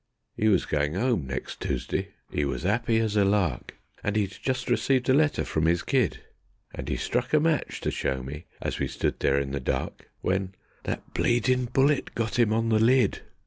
'E was goin' 'ome next Toosday; 'e was 'appy as a lark, And 'e'd just received a letter from 'is kid; And 'e struck a match to show me, as we stood there in the dark, When ... that bleedin' bullet got 'im on the lid.